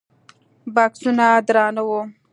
بکسونه درانه وو.